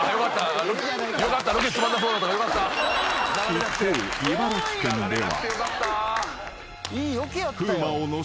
［一方茨城県では］